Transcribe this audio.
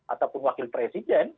ataupun wakil presiden